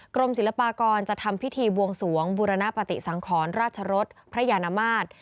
กรมศิลปากรจะทำพิธีบวงสวงบุรณปฏิสังขรราชรสพระยานมาตร